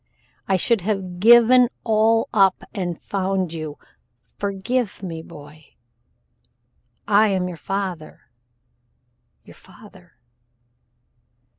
I should have given all up and found you. Forgive me. Boy! I'm your father your father!"